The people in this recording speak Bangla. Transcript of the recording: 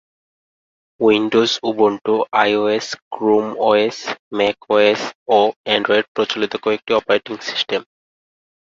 Windows, Ubuntu, iOS, Chrome OS, Mac OS ও অ্যান্ড্রয়েড প্রচলিত কয়েকটি অপারেটিং সিস্টেম।